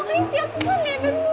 ketika susan nempel mulu